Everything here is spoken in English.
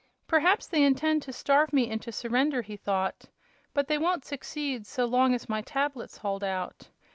"Perhaps they intend to starve me into surrender," he thought; "but they won't succeed so long as my tablets hold out.